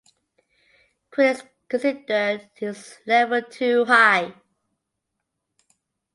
Critics consider this level too high.